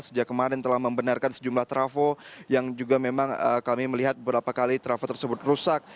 sejak kemarin telah membenarkan sejumlah trafo yang juga memang kami melihat beberapa kali trafo tersebut rusak